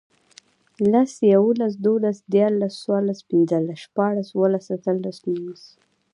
لس, یوولس, دوولس, دیرلس، څوارلس, پنځلس, شپاړس, اووهلس, اتهلس, نورلس